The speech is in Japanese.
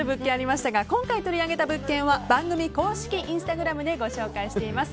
今回、取り上げた物件は番組公式インスタグラムでご紹介しています。